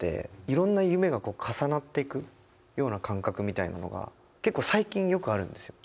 いろんな夢が重なっていくような感覚みたいなのが結構最近よくあるんですよ。